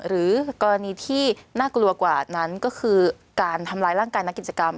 หรือกรณีที่น่ากลัวกว่านั้นก็คือการทำร้ายร่างกายนักกิจกรรม